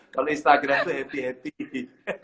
kalau instagram itu happy happy